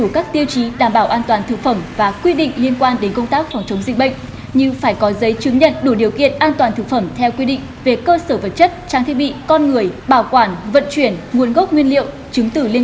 các bạn hãy đăng ký kênh để ủng hộ kênh của chúng mình nhé